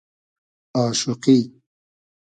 آشوقی